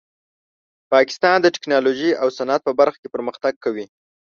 پاکستان د ټیکنالوژۍ او صنعت په برخه کې پرمختګ کوي.